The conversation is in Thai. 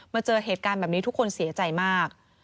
เจอเหตุการณ์แบบนี้ทุกคนเสียใจมาก